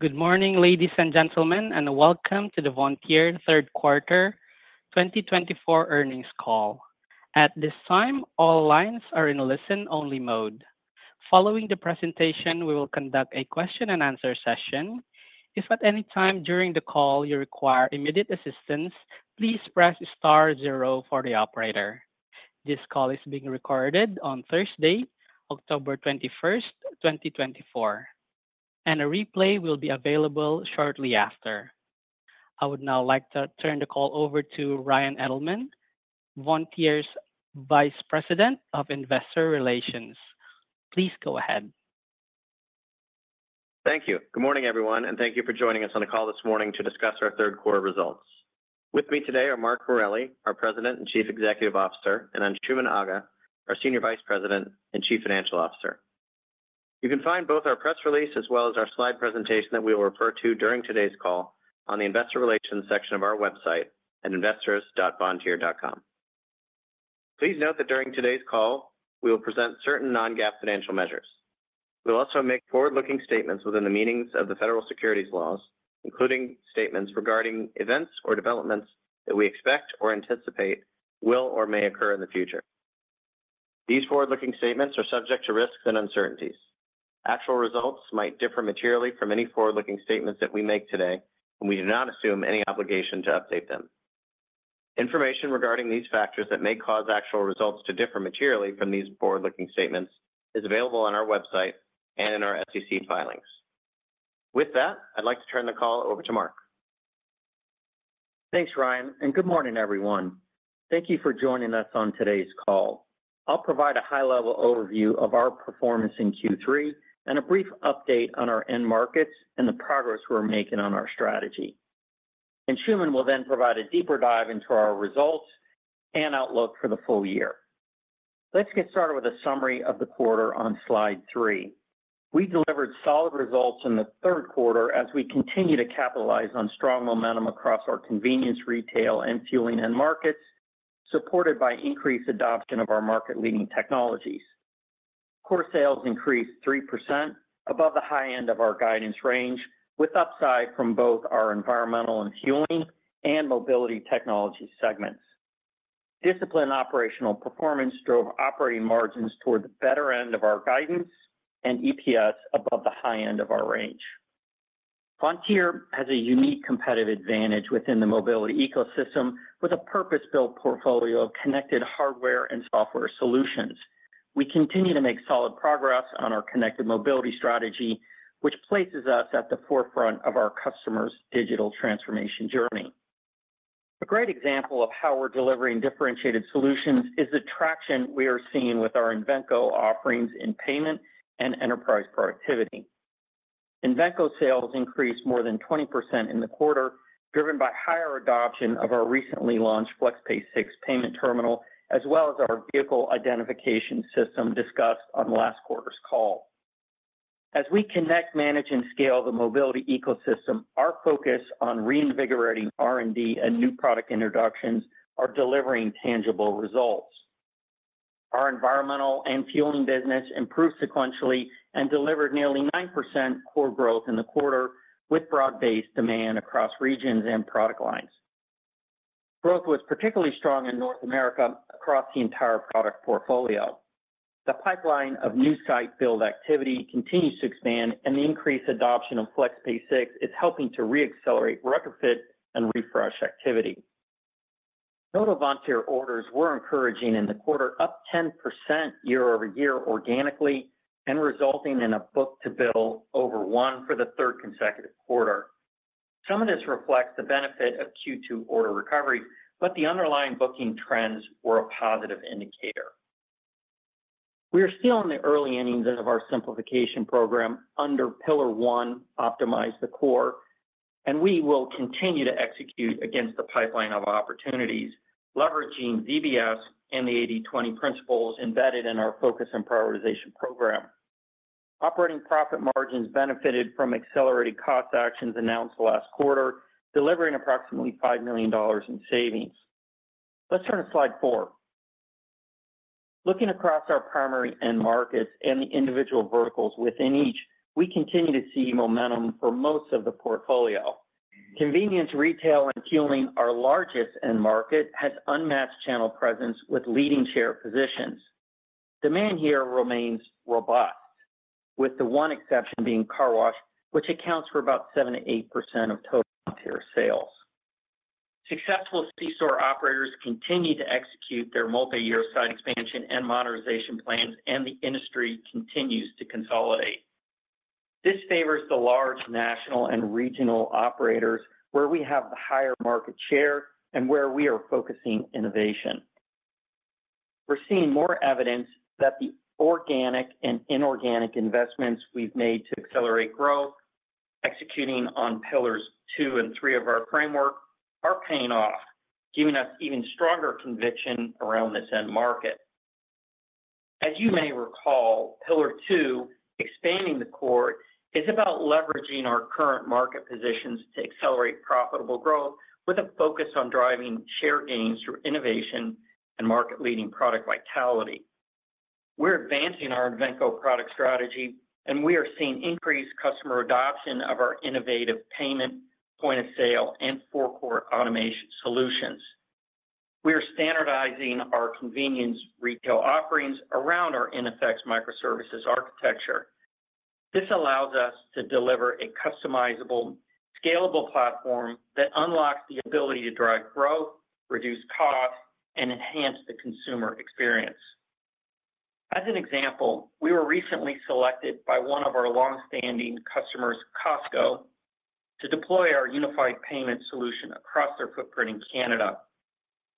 Good morning, ladies and gentlemen, and welcome to the Vontier third quarter 2024 earnings call. At this time, all lines are in listen-only mode. Following the presentation, we will conduct a question-and-answer session. If at any time during the call you require immediate assistance, please press Star zero for the operator. This call is being recorded on Thursday, October 21st, 2024, and a replay will be available shortly after. I would now like to turn the call over to Ryan Edelman, Vontier's Vice President of Investor Relations. Please go ahead. Thank you. Good morning, everyone, and thank you for joining us on a call this morning to discuss our third quarter results. With me today are Mark Morelli, our President and Chief Executive Officer, and Anshooman Aga, our Senior Vice President and Chief Financial Officer. You can find both our press release as well as our slide presentation that we will refer to during today's call on the Investor Relations section of our website at investors.vontier.com. Please note that during today's call, we will present certain non-GAAP financial measures. We'll also make forward-looking statements within the meanings of the federal securities laws, including statements regarding events or developments that we expect or anticipate will or may occur in the future. These forward-looking statements are subject to risks and uncertainties. Actual results might differ materially from any forward-looking statements that we make today, and we do not assume any obligation to update them. Information regarding these factors that may cause actual results to differ materially from these forward-looking statements is available on our website and in our SEC filings. With that, I'd like to turn the call over to Mark. Thanks, Ryan, and good morning, everyone. Thank you for joining us on today's call. I'll provide a high-level overview of our performance in Q3 and a brief update on our end markets and the progress we're making on our strategy. Anshooman will then provide a deeper dive into our results and outlook for the full-year. Let's get started with a summary of the quarter on Slide 3. We delivered solid results in the third quarter as we continue to capitalize on strong momentum across our convenience retail and fueling end markets, supported by increased adoption of our market-leading technologies. Core sales increased 3% above the high end of our guidance range, with upside from both our environmental and fueling and Mobility Technologies segments. Disciplined operational performance drove operating margins toward the better end of our guidance and EPS above the high end of our range. Vontier has a unique competitive advantage within the mobility ecosystem with a purpose-built portfolio of connected hardware and software solutions. We continue to make solid progress on our connected mobility strategy, which places us at the forefront of our customers' digital transformation journey. A great example of how we're delivering differentiated solutions is the traction we are seeing with our Invenco offerings in payment and enterprise productivity. Invenco sales increased more than 20% in the quarter, driven by higher adoption of our recently launched FlexPay 6 payment terminal, as well as our vehicle identification system discussed on last quarter's call. As we connect, manage, and scale the mobility ecosystem, our focus on reinvigorating R&D and new product introductions is delivering tangible results. Our environmental and fueling business improved sequentially and delivered nearly 9% core growth in the quarter, with broad-based demand across regions and product lines. Growth was particularly strong in North America across the entire product portfolio. The pipeline of new site-build activity continues to expand, and the increased adoption of FlexPay 6 is helping to re-accelerate retrofit and refresh activity. Total Vontier orders were encouraging in the quarter, up 10% year-over-year organically and resulting in a book-to-bill over one for the third consecutive quarter. Some of this reflects the benefit of Q2 order recovery, but the underlying booking trends were a positive indicator. We are still in the early innings of our simplification program under Pillar One, Optimize the Core, and we will continue to execute against the pipeline of opportunities, leveraging VBS and the 80/20 principles embedded in our focus and prioritization program. Operating profit margins benefited from accelerated cost actions announced last quarter, delivering approximately $5 million in savings. Let's turn to Slide 4. Looking across our primary end markets and the individual verticals within each, we continue to see momentum for most of the portfolio. Convenience retail and fueling, our largest end market, has unmatched channel presence with leading share positions. Demand here remains robust, with the one exception being car wash, which accounts for about 78% of total Vontier sales. Successful C-Store operators continue to execute their multi-year site expansion and modernization plans, and the industry continues to consolidate. This favors the large national and regional operators, where we have the higher market share and where we are focusing innovation. We're seeing more evidence that the organic and inorganic investments we've made to accelerate growth, executing on Pillars Two and Three of our framework, are paying off, giving us even stronger conviction around this end market. As you may recall, Pillar Two, expanding the core, is about leveraging our current market positions to accelerate profitable growth with a focus on driving share gains through innovation and market-leading product vitality. We're advancing our Invenco product strategy, and we are seeing increased customer adoption of our innovative payment point of sale and forecourt automation solutions. We are standardizing our convenience retail offerings around our iNFX microservices architecture. This allows us to deliver a customizable, scalable platform that unlocks the ability to drive growth, reduce cost, and enhance the consumer experience. As an example, we were recently selected by one of our longstanding customers, Costco, to deploy our unified payment solution across their footprint in Canada.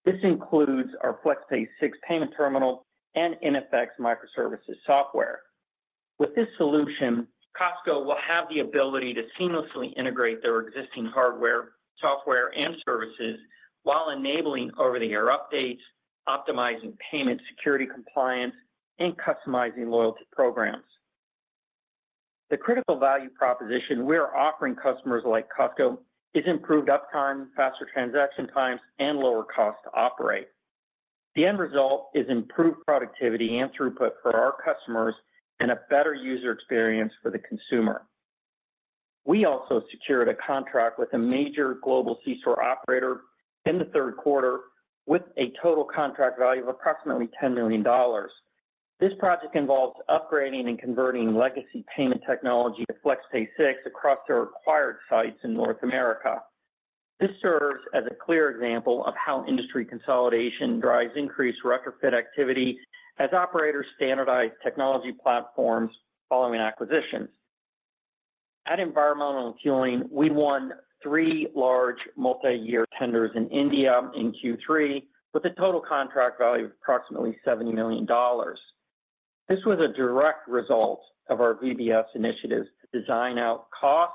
This includes our FlexPay 6 payment terminal and iNFX microservices software. With this solution, Costco will have the ability to seamlessly integrate their existing hardware, software, and services while enabling over-the-air updates, optimizing payment security compliance, and customizing loyalty programs. The critical value proposition we are offering customers like Costco is improved uptime, faster transaction times, and lower cost to operate. The end result is improved productivity and throughput for our customers and a better user experience for the consumer. We also secured a contract with a major global C-Store operator in the third quarter with a total contract value of approximately $10 million. This project involves upgrading and converting legacy payment technology to FlexPay 6 across their acquired sites in North America. This serves as a clear example of how industry consolidation drives increased retrofit activity as operators standardize technology platforms following acquisitions. At Environmental and Fueling, we won three large multi-year tenders in India in Q3 with a total contract value of approximately $70 million. This was a direct result of our VBS initiatives to design out costs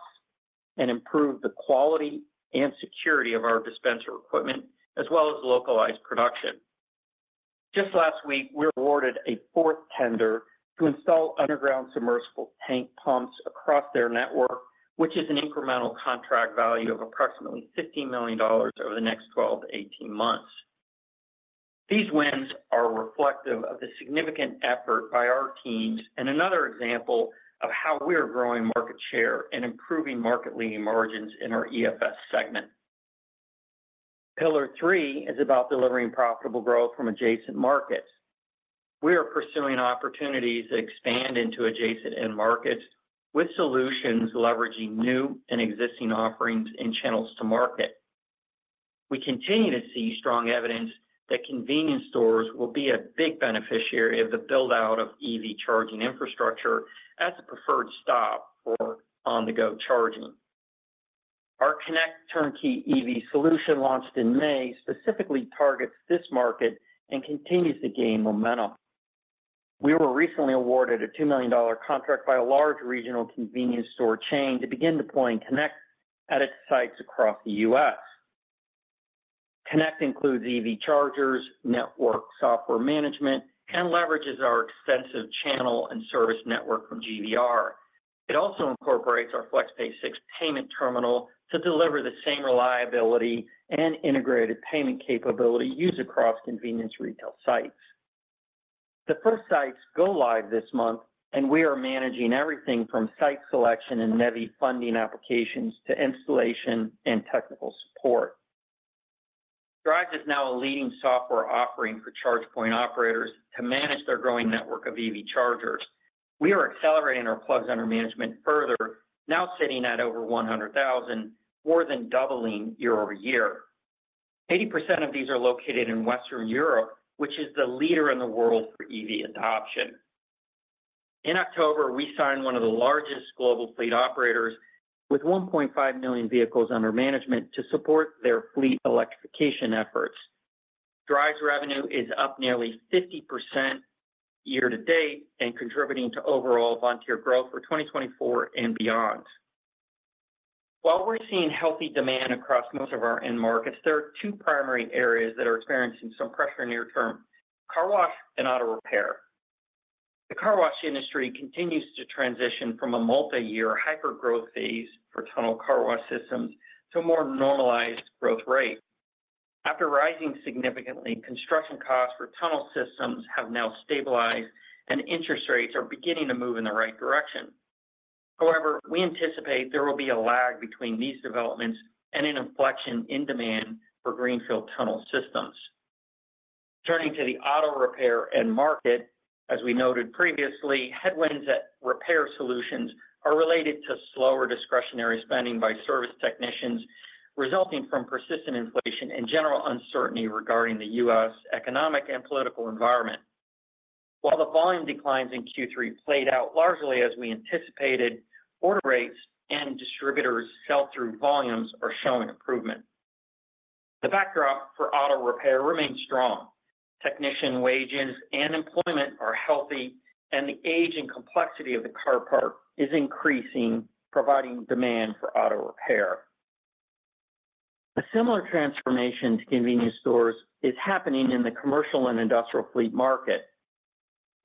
and improve the quality and security of our dispenser equipment, as well as localized production. Just last week, we awarded a fourth tender to install underground submersible tank pumps across their network, which is an incremental contract value of approximately $15 million over the next 12 months-18 months. These wins are reflective of the significant effort by our teams and another example of how we are growing market share and improving market-leading margins in our EFS segment. Pillar Three is about delivering profitable growth from adjacent markets. We are pursuing opportunities to expand into adjacent end markets with solutions leveraging new and existing offerings and channels to market. We continue to see strong evidence that convenience stores will be a big beneficiary of the build-out of EV charging infrastructure as a preferred stop for on-the-go charging. Our Konect Turnkey EV solution, launched in May, specifically targets this market and continues to gain momentum. We were recently awarded a $2 million contract by a large regional convenience store chain to begin deploying Konect at its sites across the U.S. Konect includes EV chargers, network software management, and leverages our extensive channel and service network from GVR. It also incorporates our FlexPay 6 payment terminal to deliver the same reliability and integrated payment capability used across convenience retail sites. The first sites go live this month, and we are managing everything from site selection and NEVI funding applications to installation and technical support. Driivz is now a leading software offering for Charge Point Operators to manage their growing network of EV chargers. We are accelerating our plugs under management further, now sitting at over 100,000, more than doubling year-over-year. 80% of these are located in Western Europe, which is the leader in the world for EV adoption. In October, we signed one of the largest global fleet operators with 1.5 million vehicles under management to support their fleet electrification efforts. Driivz's revenue is up nearly 50% year-to-date and contributing to overall Vontier growth for 2024 and beyond. While we're seeing healthy demand across most of our end markets, there are two primary areas that are experiencing some pressure near term: car wash and auto repair. The car wash industry continues to transition from a multi-year hyper-growth phase for tunnel car wash systems to a more normalized growth rate. After rising significantly, construction costs for tunnel systems have now stabilized, and interest rates are beginning to move in the right direction. However, we anticipate there will be a lag between these developments and an inflection in demand for greenfield tunnel systems. Turning to the auto repair end market, as we noted previously, headwinds at Repair Solutions are related to slower discretionary spending by service technicians, resulting from persistent inflation and general uncertainty regarding the U.S. economic and political environment. While the volume declines in Q3 played out largely as we anticipated, order rates and distributors' sell-through volumes are showing improvement. The backdrop for auto repair remains strong. Technician wages and employment are healthy, and the age and complexity of the car park is increasing, providing demand for auto repair. A similar transformation to convenience stores is happening in the commercial and industrial fleet market.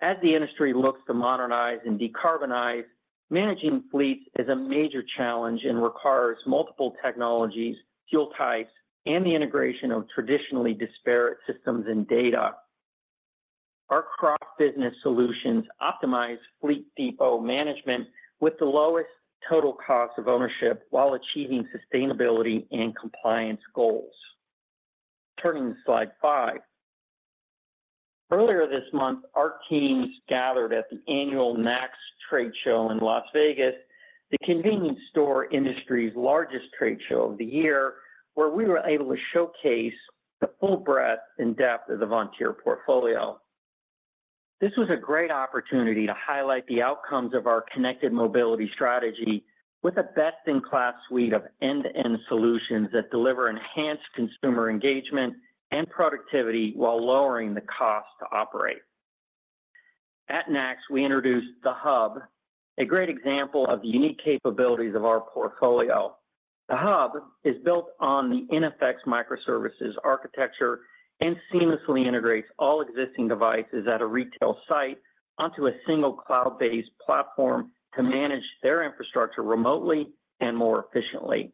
As the industry looks to modernize and decarbonize, managing fleets is a major challenge and requires multiple technologies, fuel types, and the integration of traditionally disparate systems and data. Our cross-business solutions optimize fleet depot management with the lowest total cost of ownership while achieving sustainability and compliance goals. Turning to Slide 5. Earlier this month, our teams gathered at the annual NACS trade show in Las Vegas, the convenience store industry's largest trade show of the year, where we were able to showcase the full breadth and depth of the Vontier portfolio. This was a great opportunity to highlight the outcomes of our connected mobility strategy with a best-in-class suite of end-to-end solutions that deliver enhanced consumer engagement and productivity while lowering the cost to operate. At NACS, we introduced The Hub, a great example of the unique capabilities of our portfolio. The Hub is built on the iNFX microservices architecture and seamlessly integrates all existing devices at a retail site onto a single cloud-based platform to manage their infrastructure remotely and more efficiently.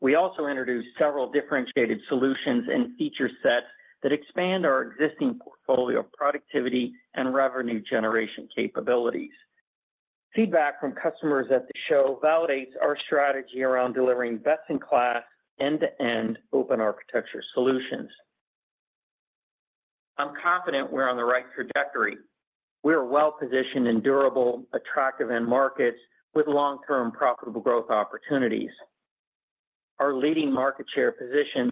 We also introduced several differentiated solutions and feature sets that expand our existing portfolio of productivity and revenue generation capabilities. Feedback from customers at the show validates our strategy around delivering best-in-class end-to-end open architecture solutions. I'm confident we're on the right trajectory. We are well-positioned in durable, attractive end markets with long-term profitable growth opportunities. Our leading market share position,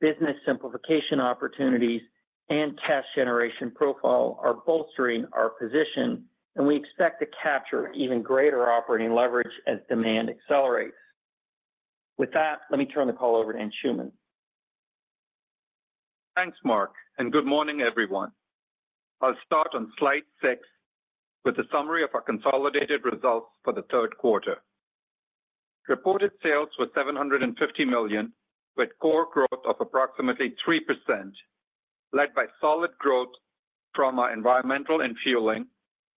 business simplification opportunities, and cash generation profile are bolstering our position, and we expect to capture even greater operating leverage as demand accelerates. With that, let me turn the call over to Anshooman. Thanks, Mark, and good morning, everyone. I'll start on Slide 6 with a summary of our consolidated results for the third quarter. Reported sales were $750 million, with core growth of approximately 3%, led by solid growth from our Environmental and Fueling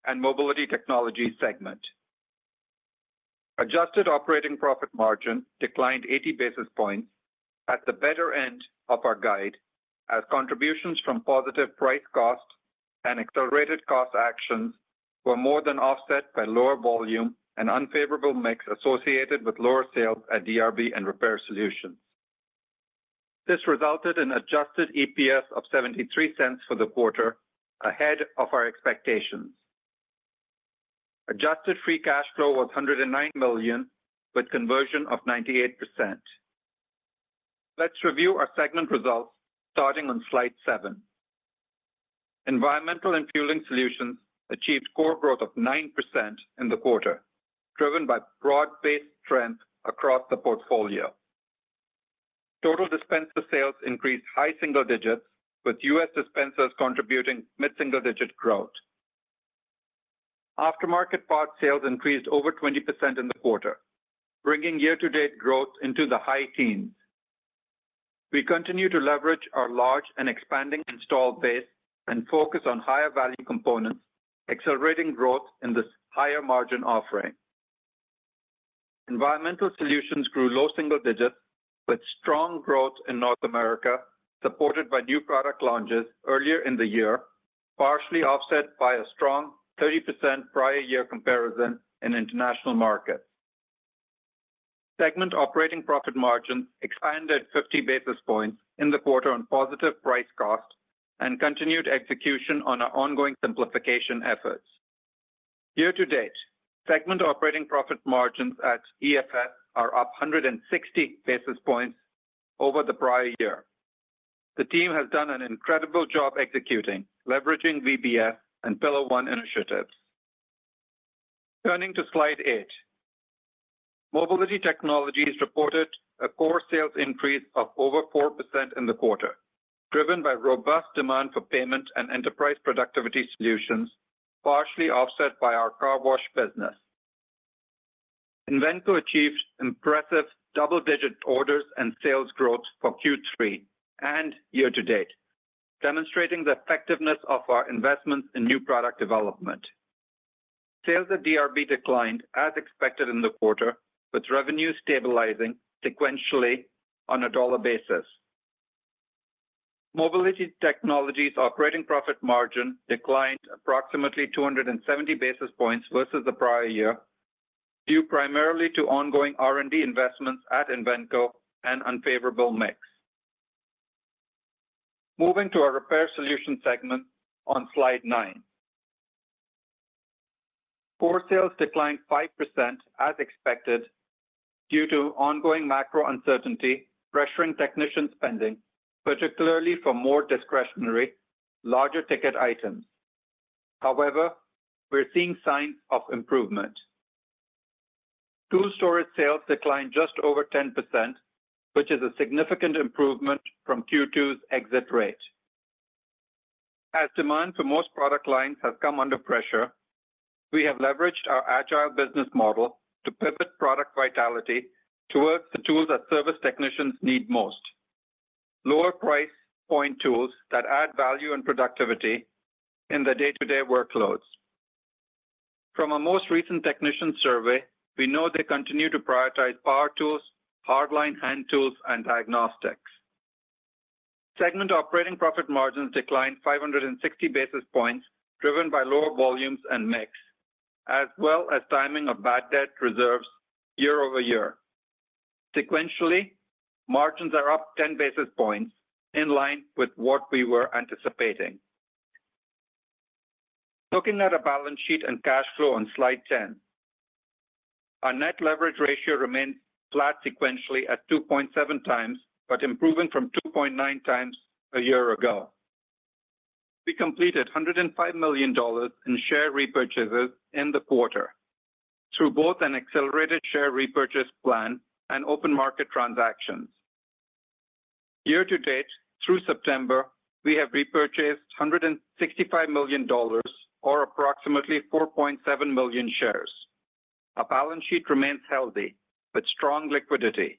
and Mobility Technology segment. Adjusted operating profit margin declined 80 basis points at the better end of our guide, as contributions from positive price costs and accelerated cost actions were more than offset by lower volume and unfavorable mix associated with lower sales at DRB and Repair Solutions. This resulted in an adjusted EPS of $0.73 for the quarter, ahead of our expectations. Adjusted free cash flow was $109 million, with conversion of 98%. Let's review our segment results starting on Slide 7. Environmental and Fueling solutions achieved core growth of 9% in the quarter, driven by broad-based strength across the portfolio. Total dispenser sales increased high single-digits, with US dispensers contributing mid-single-digit growth. Aftermarket part sales increased over 20% in the quarter, bringing year-to-date growth into the high teens. We continue to leverage our large and expanding install base and focus on higher value components, accelerating growth in this higher margin offering. Environmental Solutions grew low single-digits, with strong growth in North America, supported by new product launches earlier in the year, partially offset by a strong 30% prior year comparison in international markets. Segment operating profit margins expanded 50 basis points in the quarter on positive price cost and continued execution on our ongoing simplification efforts. Year-to-date, segment operating profit margins at EFS are up 160 basis points over the prior year. The team has done an incredible job executing, leveraging VBS and Pillar One initiatives. Turning to Slide 8, mobility technologies reported a core sales increase of over 4% in the quarter, driven by robust demand for payment and enterprise productivity solutions, partially offset by our car wash business. Invenco achieved impressive double-digit orders and sales growth for Q3 and year-to-date, demonstrating the effectiveness of our investments in new product development. Sales at DRB declined as expected in the quarter, with revenues stabilizing sequentially on a dollar basis. Mobility Technologies' operating profit margin declined approximately 270 basis points versus the prior year, due primarily to ongoing R&D investments at Invenco and unfavorable mix. Moving to our Repair Solutions segment on slide nine, core sales declined 5% as expected due to ongoing macro uncertainty pressuring technician spending, particularly for more discretionary, larger ticket items. However, we're seeing signs of improvement. Tool storage sales declined just over 10%, which is a significant improvement from Q2's exit rate. As demand for most product lines has come under pressure, we have leveraged our agile business model to pivot product vitality towards the tools that service technicians need most: lower-priced point tools that add value and productivity in their day-to-day workloads. From our most recent technician survey, we know they continue to prioritize power tools, hardline hand tools, and diagnostics. Segment operating profit margins declined 560 basis points, driven by lower volumes and mix, as well as timing of bad debt reserves year-over-year. Sequentially, margins are up 10 basis points, in line with what we were anticipating. Looking at our balance sheet and cash flow on slide 10, our net leverage ratio remains flat sequentially at 2.7 times, but improving from 2.9x a year ago. We completed $105 million in share repurchases in the quarter through both an accelerated share repurchase plan and open market transactions. Year-to-date, through September, we have repurchased $165 million, or approximately 4.7 million shares. Our balance sheet remains healthy, with strong liquidity,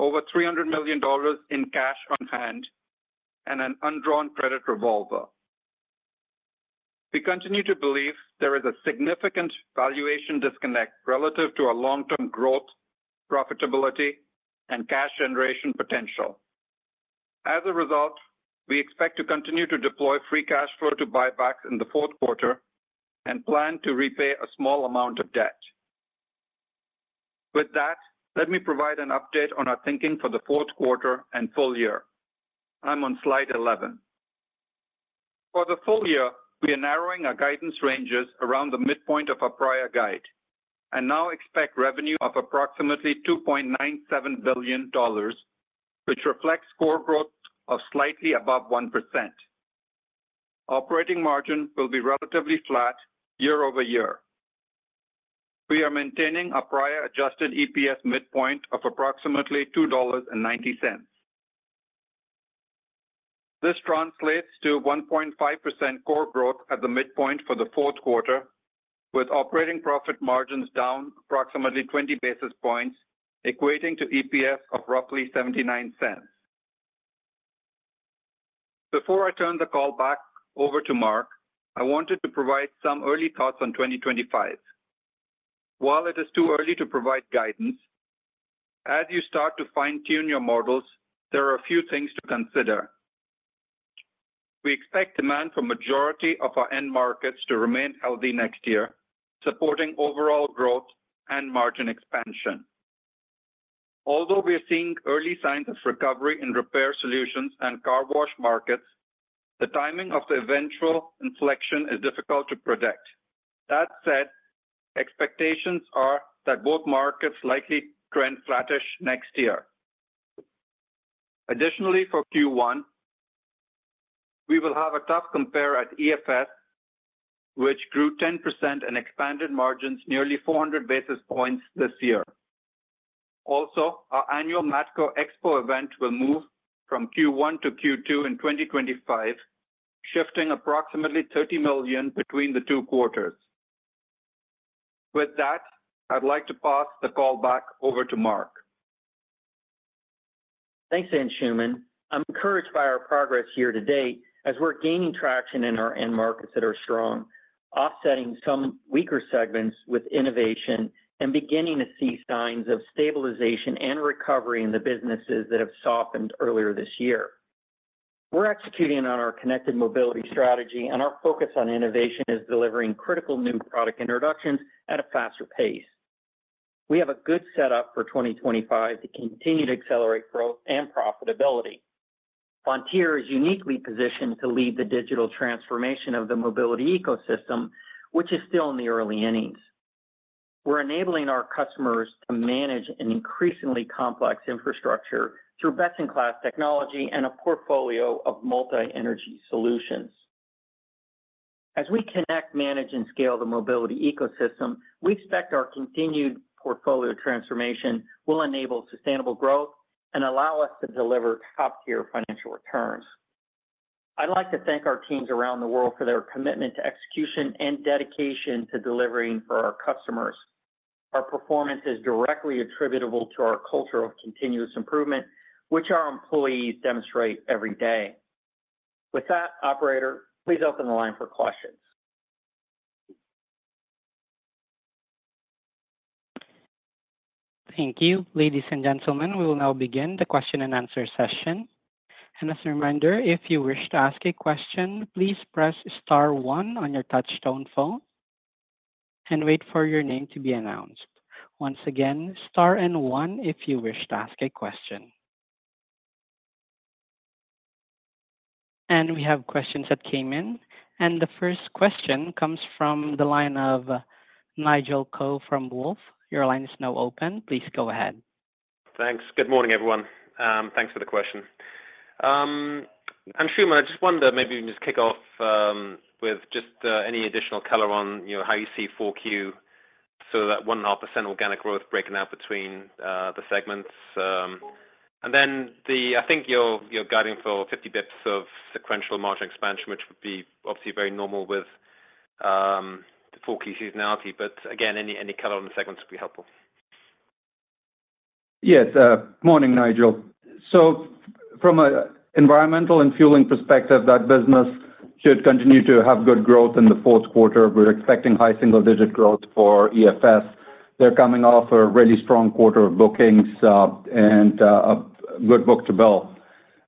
over $300 million in cash on hand, and an undrawn credit revolver. We continue to believe there is a significant valuation disconnect relative to our long-term growth, profitability, and cash generation potential. As a result, we expect to continue to deploy free cash flow to buybacks in the fourth quarter and plan to repay a small amount of debt. With that, let me provide an update on our thinking for the fourth quarter and full-year. I'm on Slide 11. For the full year, we are narrowing our guidance ranges around the midpoint of our prior guide and now expect revenue of approximately $2.97 billion, which reflects core growth of slightly above 1%. Operating margin will be relatively flat year-over-year. We are maintaining our prior adjusted EPS midpoint of approximately $2.90. This translates to 1.5% core growth at the midpoint for the fourth quarter, with operating profit margins down approximately 20 basis points, equating to EPS of roughly $0.79. Before I turn the call back over to Mark, I wanted to provide some early thoughts on 2025. While it is too early to provide guidance, as you start to fine-tune your models, there are a few things to consider. We expect demand for the majority of our end markets to remain healthy next year, supporting overall growth and margin expansion. Although we are seeing early signs of recovery in Repair Solutions and car wash markets, the timing of the eventual inflection is difficult to predict. That said, expectations are that both markets likely trend flattish next year. Additionally, for Q1, we will have a tough compare at EFS, which grew 10% and expanded margins nearly 400 basis points this year. Also, our annual Matco Expo event will move from Q1 to Q2 in 2025, shifting approximately $30 million between the two quarters. With that, I'd like to pass the call back over to Mark. Thanks, Anshooman. I'm encouraged by our progress year-to-date as we're gaining traction in our end markets that are strong, offsetting some weaker segments with innovation and beginning to see signs of stabilization and recovery in the businesses that have softened earlier this year. We're executing on our connected mobility strategy, and our focus on innovation is delivering critical new product introductions at a faster pace. We have a good setup for 2025 to continue to accelerate growth and profitability. Vontier is uniquely positioned to lead the digital transformation of the mobility ecosystem, which is still in the early innings. We're enabling our customers to manage an increasingly complex infrastructure through best-in-class technology and a portfolio of multi-energy solutions. As we connect, manage, and scale the mobility ecosystem, we expect our continued portfolio transformation will enable sustainable growth and allow us to deliver top-tier financial returns. I'd like to thank our teams around the world for their commitment to execution and dedication to delivering for our customers. Our performance is directly attributable to our culture of continuous improvement, which our employees demonstrate every day. With that, Operator, please open the line for questions. Thank you. Ladies and gentlemen, we will now begin the question-and-answer session. And as a reminder, if you wish to ask a question, please press Star one on your touch-tone phone and wait for your name to be announced. Once again, Star and one if you wish to ask a question. And we have questions that came in. And the first question comes from the line of Nigel Coe from Wolfe. Your line is now open. Please go ahead. Thanks. Good morning, everyone. Thanks for the question. Anshooman, I just wonder maybe we can just kick off with just any additional color on how you see 4Q, so that 1.5% organic growth breaking out between the segments. And then I think you're guiding for 50 basis points of sequential margin expansion, which would be obviously very normal with 4Q seasonality. But again, any color on the segments would be helpful. Yes. Good morning, Nigel. From an environmental and fueling perspective, that business should continue to have good growth in the fourth quarter. We're expecting high single-digit growth for EFS. They're coming off a really strong quarter of bookings and a good book-to-bill.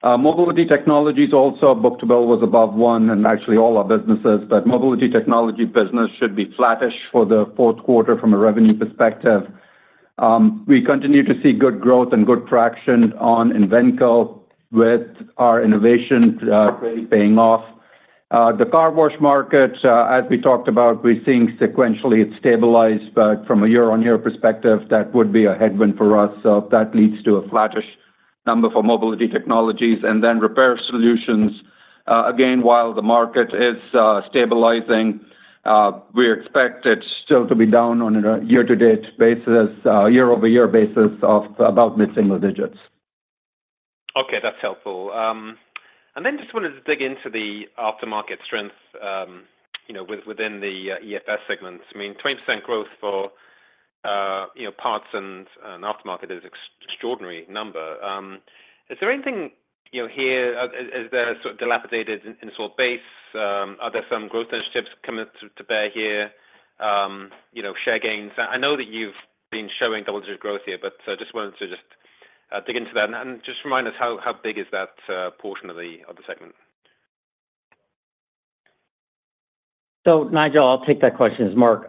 Mobility Technologies also, book-to-bill was above one and actually all our businesses. But Mobility Technology business should be flattish for the fourth quarter from a revenue perspective. We continue to see good growth and good traction on Invenco with our innovation really paying off. The car wash market, as we talked about, we're seeing sequentially it stabilized, but from a year-on-year perspective, that would be a headwind for us. So that leads to a flattish number for Mobility Technologies and then Repair Solutions. Again, while the market is stabilizing, we expect it still to be down on a year-to-date basis, year-over-year basis of about mid-single digits. Okay. That's helpful, and then just wanted to dig into the aftermarket strength within the EFS segments. I mean, 20% growth for parts and aftermarket is an extraordinary number. Is there anything here? Is there sort of depletion in sort of base? Are there some growth initiatives coming to bear here? Share gains? I know that you've been showing double-digit growth here, but I just wanted to just dig into that, and just remind us, how big is that portion of the segment, So Nigel, I'll take that question as Mark.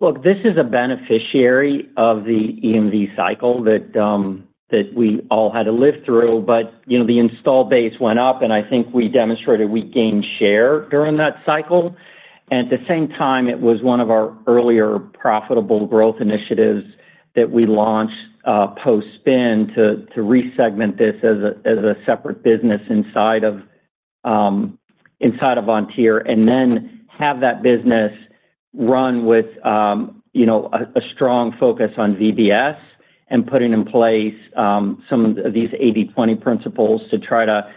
Look, this is a beneficiary of the EMV cycle that we all had to live through. But the install base went up, and I think we demonstrated we gained share during that cycle. And at the same time, it was one of our earlier profitable growth initiatives that we launched post-spin to resegment this as a separate business inside of Vontier and then have that business run with a strong focus on VBS and putting in place some of these 80/20 principles to try to,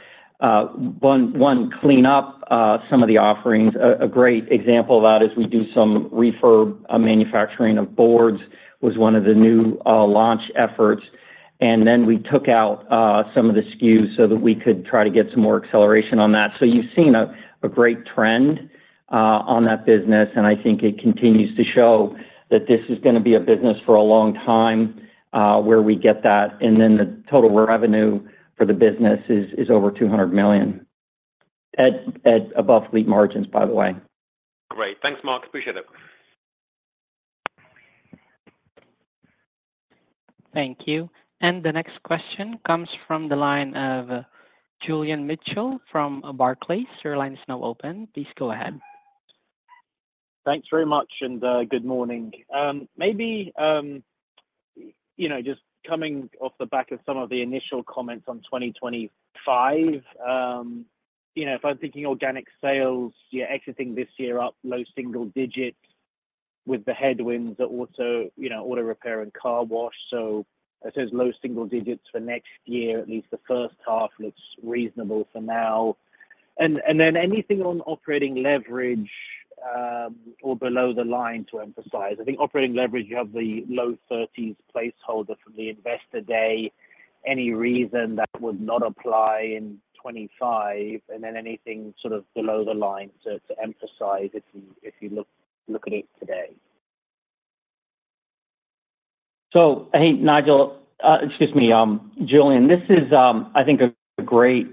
one, clean up some of the offerings. A great example of that is we do some reefer manufacturing of boards, was one of the new launch efforts. And then we took out some of the SKUs so that we could try to get some more acceleration on that. So you've seen a great trend on that business, and I think it continues to show that this is going to be a business for a long time where we get that. And then the total revenue for the business is over $200 million, above fleet margins, by the way. Great. Thanks, Mark. Appreciate it. Thank you. And the next question comes from the line of Julian Mitchell from Barclays. Your line is now open. Please go ahead. Thanks very much and good morning. Maybe just coming off the back of some of the initial comments on 2025, if I'm thinking organic sales, you're exiting this year up low single-digits with the headwinds of auto repair and car wash. So I'd say low single-digits for next year, at least the first half looks reasonable for now. And then anything on operating leverage or below the line to emphasize? I think operating leverage, you have the low 30s placeholder from the investor day. Any reason that would not apply in 2025? And then anything sort of below the line to emphasize if you look at it today? hey, Nigel, excuse me, Julian, this is, I think, a great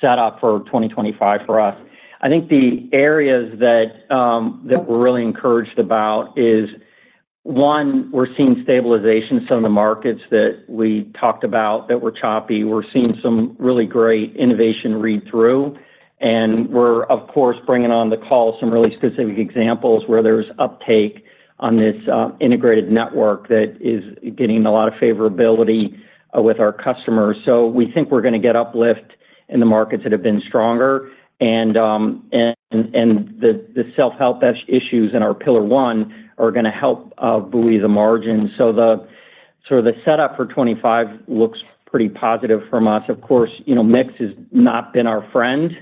setup for 2025 for us. I think the areas that we're really encouraged about is, one, we're seeing stabilization in some of the markets that we talked about that were choppy. We're seeing some really great innovation read-through. And we're, of course, bringing on the call some really specific examples where there's uptake on this integrated network that is getting a lot of favorability with our customers. So we think we're going to get uplift in the markets that have been stronger. And the self-help issues in our Pillar One are going to help buoy the margins. So the setup for 2025 looks pretty positive from us. Of course, mix has not been our friend,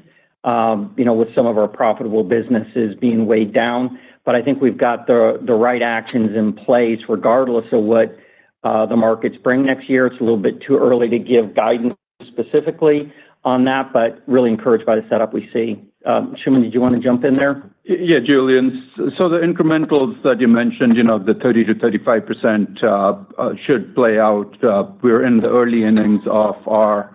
with some of our profitable businesses being weighed down. But I think we've got the right actions in place regardless of what the markets bring next year. It's a little bit too early to give guidance specifically on that, but really encouraged by the setup we see. Anshooman, did you want to jump in there? Yeah, Julian. So the incrementals that you mentioned, the 30%-35% should play out. We're in the early innings of our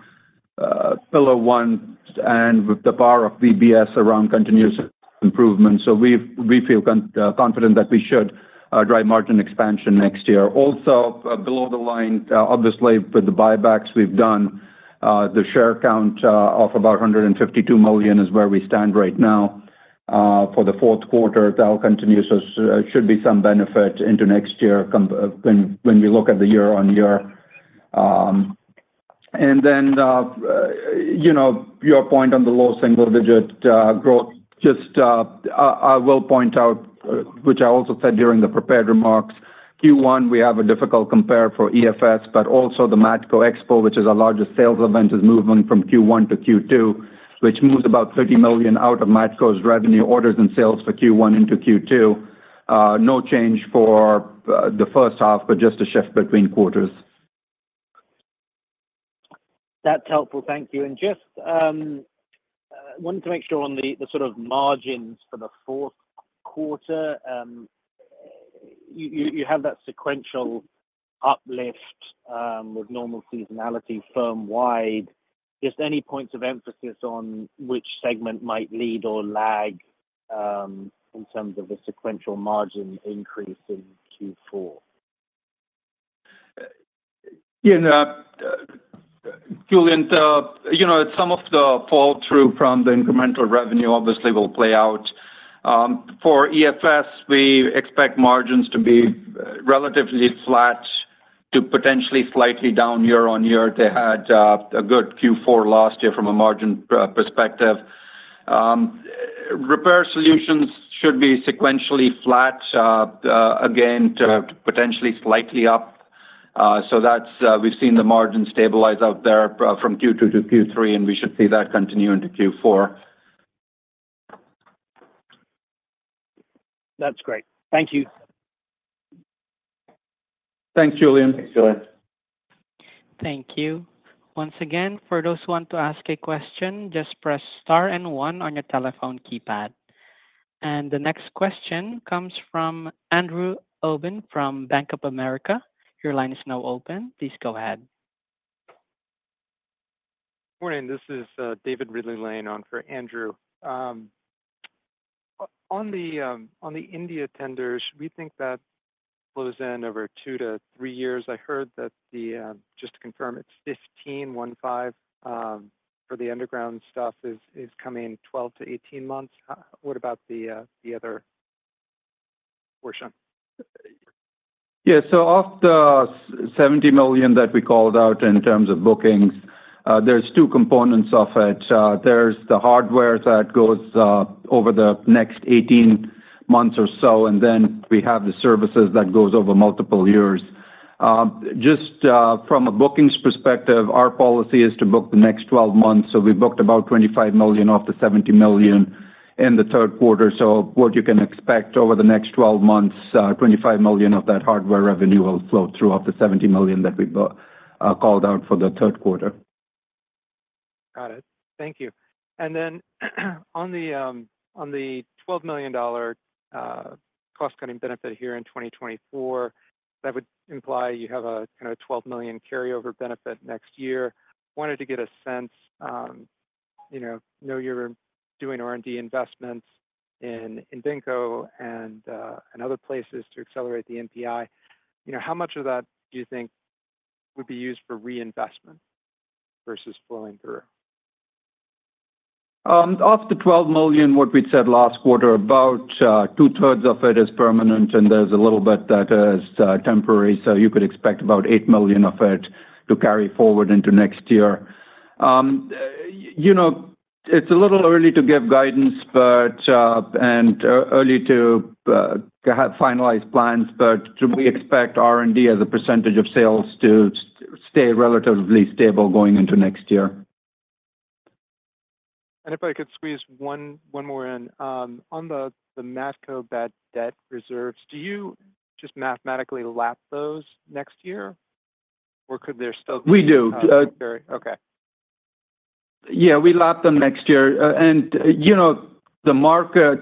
Pillar One and with the bar of VBS around continuous improvement. So we feel confident that we should drive margin expansion next year. Also, below the line, obviously, with the buybacks we've done, the share count of about 152 million is where we stand right now for the fourth quarter. That will continue to, should be some benefit into next year when we look at the year-on-year. And then your point on the low single-digit growth. Just, I will point out, which I also said during the prepared remarks, Q1 we have a difficult compare for EFS, but also the Matco Expo, which is our largest sales event, is moving from Q1-Q2, which moves about $30 million out of Matco's revenue orders and sales for Q1 into Q2. No change for the first half, but just a shift between quarters. That's helpful. Thank you. And just wanted to make sure on the sort of margins for the fourth quarter, you have that sequential uplift with normal seasonality firm-wide. Just any points of emphasis on which segment might lead or lag in terms of the sequential margin increase in Q4? Yeah. Julian, some of the fall through from the incremental revenue obviously will play out. For EFS, we expect margins to be relatively flat to potentially slightly down year-on-year. They had a good Q4 last year from a margin perspective. Repair Solutions should be sequentially flat, again, to potentially slightly up. So we've seen the margin stabilize up there from Q2-Q3, and we should see that continue into Q4. That's great. Thank you. Thanks, Julian. Thanks, Julian. Thank you. Once again, for those who want to ask a question, just press Star and one on your telephone keypad. The next question comes from Andrew Obin from Bank of America. Your line is now open. Please go ahead. Morning. This is David Ridley-Lane on for Andrew. On the India tenders, we think that flows in over two to three years. I heard that the, just to confirm, it's 15/15 for the underground stuff is coming 12 months-18 months. What about the other portion? Yeah. So of the $70 million that we called out in terms of bookings, there's two components of it. There's the hardware that goes over the next 18 months or so, and then we have the services that goes over multiple years. Just from a bookings perspective, our policy is to book the next 12 months. So we booked about $25 million off the $70 million in the third quarter. So what you can expect over the next 12 months, $25 million of that hardware revenue will flow through off the $70 million that we called out for the third quarter. Got it. Thank you. And then on the $12 million cost-cutting benefit here in 2024, that would imply you have a kind of a $12 million carryover benefit next year. Wanted to get a sense, know you're doing R&D investments in Invenco and other places to accelerate the NPI. How much of that do you think would be used for reinvestment versus flowing through? Of the $12 million, what we'd said last quarter, about two-thirds of it is permanent, and there's a little bit that is temporary. So you could expect about $8 million of it to carry forward into next year. It's a little early to give guidance and early to finalize plans, but we expect R&D as a percentage of sales to stay relatively stable going into next year. And if I could squeeze one more in. On the Matco bad debt reserves, do you just mathematically lap those next year, or could there still be? We do. Okay. Yeah. We lap them next year. And the market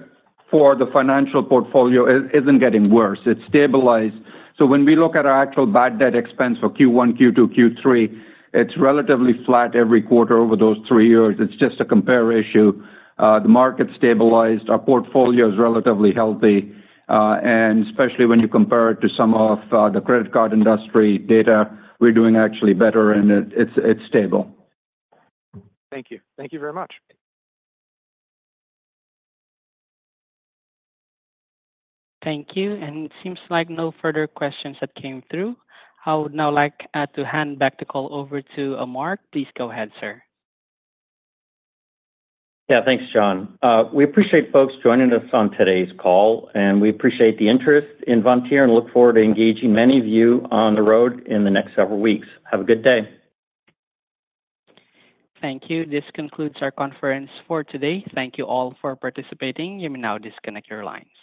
for the financial portfolio isn't getting worse. It's stabilized. So when we look at our actual bad debt expense for Q1, Q2, Q3, it's relatively flat every quarter over those three years. It's just a compare issue. The market stabilized. Our portfolio is relatively healthy. And especially when you compare it to some of the credit card industry data, we're doing actually better, and it's stable. Thank you. Thank you very much. Thank you. And it seems like no further questions had come through. I would now like to hand back the call over to Mark. Please go ahead, sir. Yeah. Thanks, John. We appreciate folks joining us on today's call, and we appreciate the interest in Vontier and look forward to engaging many of you on the road in the next several weeks. Have a good day. Thank you. This concludes our conference for today. Thank you all for participating. You may now disconnect your lines.